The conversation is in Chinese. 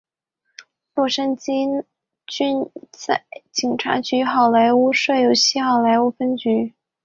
洛杉矶郡警察局在西好莱坞设有西好莱坞分局。